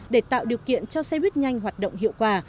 để tạo điều kiện cho xe buýt nhanh hoạt động hiệu quả